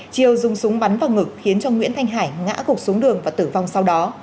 chiều dùng súng bắn vào ngực khiến cho nguyễn thanh hải ngã gục xuống đường và tử vong sau đó